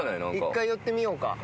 一回寄ってみようか。